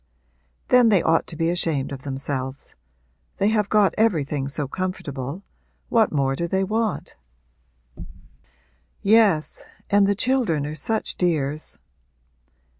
'Then they ought to be ashamed of themselves. They have got everything so comfortable what more do they want?' 'Yes, and the children are such dears!'